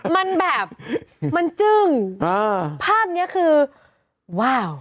มันแบบมันจึ้งอ่าภาพเนี้ยคือว้าว